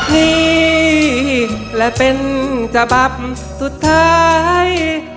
นี่และเป็นฉบับสุดท้าย